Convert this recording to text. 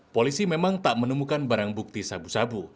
polisi memang tak menemukan barang bukti sabu sabu